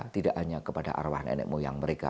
tidak hanya kepada arwah nenek moyang mereka